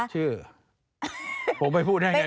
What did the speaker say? ชื่อผมไปพูดได้ไง